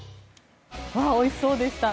おいしそうでした。